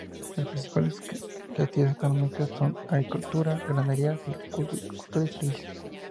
Las principales actividades económicas son: agricultura, ganadería, silvicultura y servicios.